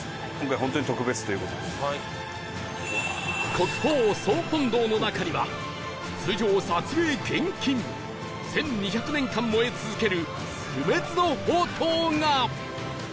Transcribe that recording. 国宝総本堂の中には通常撮影厳禁１２００年間燃え続ける不滅の法灯が